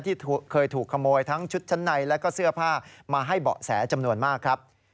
ที่เคยถูกขโมยทั้งชุดชั้นในและก็เสื้อผ้ามาให้เบาะแสจำนวนมากครับ